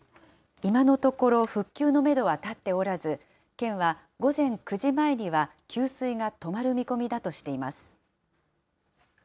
今のところ、復旧のメドは立っておらず、県は午前９時前には給水が止まる見込みだとしています。